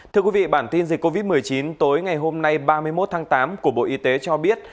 thưa quý vị bản tin dịch covid một mươi chín tối ngày hôm nay ba mươi một tháng tám của bộ y tế cho biết